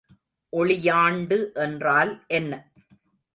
ஒளியாண்டு என்றால் என்ன?